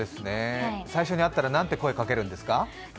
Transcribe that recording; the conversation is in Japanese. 最初に会ったら何て声をかけるんですか？